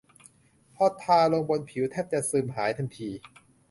พอทาลงบนผิวแทบจะซึมหายทันที